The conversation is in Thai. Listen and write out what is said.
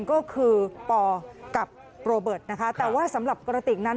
ก็คือปอกับโรเบิร์ตนะคะแต่ว่าสำหรับกระติกนั้น